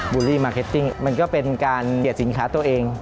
ูลลี่มาร์เก็ตติ้งมันก็เป็นการเหยียดสินค้าตัวเอง